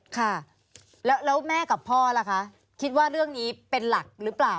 ค่ะแล้วแม่กับพ่อล่ะคะคิดว่าเรื่องนี้เป็นหลักหรือเปล่า